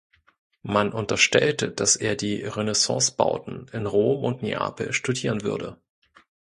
Man unterstellte, dass er die Renaissancebauten in Rom und Neapel studieren würde.